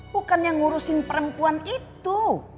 bukan yang ngurusin perempuan itu